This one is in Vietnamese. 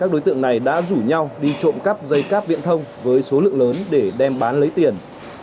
đoàn này đã rủ nhau đi trộm cắp dây cắp viễn thông với số lượng lớn để đem bán lấy tiền